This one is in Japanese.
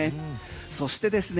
そしてですね